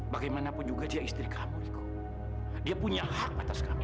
bagaimanapun juga dia istri kamu dia punya hak atas kamu